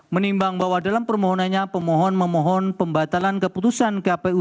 menimbang bahwa dalam permohonannya pemohon memohon pembatalan keputusan kpu tiga ratus enam puluh dua ribu dua puluh empat